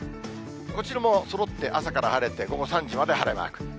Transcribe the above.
こちらもそろって朝から晴れて、午後３時まで晴れマーク。